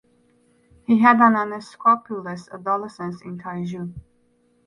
He had an unscrupulous adolescence in Taizhou.